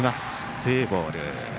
ツーボール。